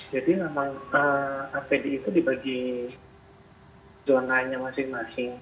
jadi memang apd itu dibagiin zonanya masing masing